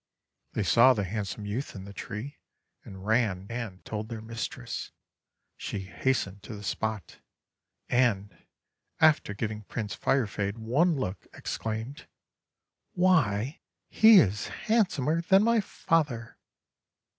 They saw the handsome youth in the tree, and ran and told their mistress. She hastened to the spot, and, after giving Prince Firef ade one look, exclaimed :— "Why, he is handsomer than my father!"